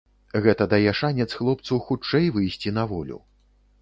Гэта дае шанец хлопцу хутчэй выйсці на волю.